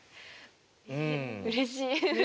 うれしい。